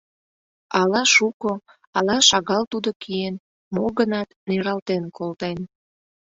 Ала шуко, ала шагал тудо киен, мо-гынат, нералтен колтен.